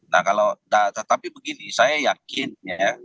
nah kalau tetapi begini saya yakin ya